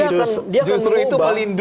melindungi dia akan berubah